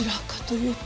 いうと？